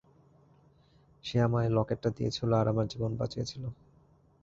সে আমায় লকেটটা দিয়েছিল আর আমার জীবন বাঁচিয়েছিল।